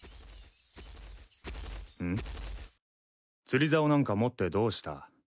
釣りざおなんか持ってどうした？